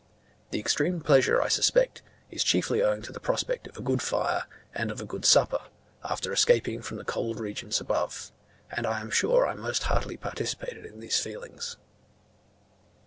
The extreme pleasure, I suspect, is chiefly owing to the prospect of a good fire and of a good supper, after escaping from the cold regions above: and I am sure I most heartily participated in these feelings.